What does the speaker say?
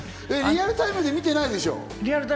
リアルタイムで見てないでしょ？